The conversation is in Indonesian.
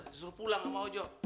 disuruh pulang sama ojo